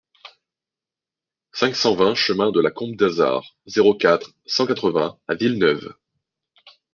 cinq cent vingt chemin de la Combe d'Azard, zéro quatre, cent quatre-vingts à Villeneuve